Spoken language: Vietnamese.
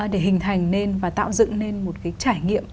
để hình thành nên và tạo dựng nên một cái trải nghiệm